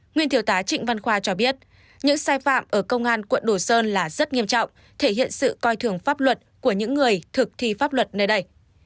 nguyên thiếu tá trịnh văn khoa cho biết những sai phạm ở công an quận đồ sơn là rất nghiêm trọng thể hiện sự coi thường pháp luật của những người thực thi pháp luật nơi đây